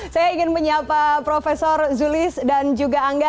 saya ingin menyapa profesor zulis dan juga angga